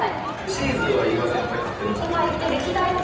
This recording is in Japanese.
シーズーは今先輩飼ってるんですもんね。